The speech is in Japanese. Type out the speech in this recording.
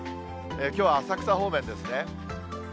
きょうは浅草方面ですね。